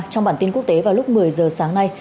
trong bản tin quốc tế vào lúc một mươi giờ sáng nay